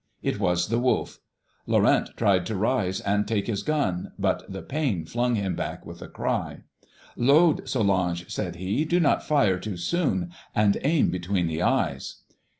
It was the wolf. Laurent tried to rise and take his gun, but the pain flung him back with a cry. "'Load, Solange,' said he. 'Do not fire too soon, and aim between the eyes.'